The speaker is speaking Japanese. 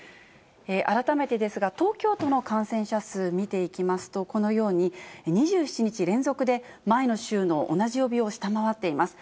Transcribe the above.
改めてですが、東京都の感染者数見ていきますと、このように、２７日連続で前の週の同じ曜日を下回っています。